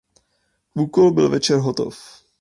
Úkol byl večer hotov.